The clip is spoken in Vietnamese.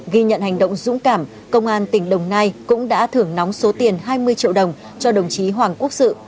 ghi nhận hành động dũng cảm công an tỉnh đồng nai cũng đã thưởng nóng số tiền hai mươi triệu đồng cho đồng chí hoàng quốc sự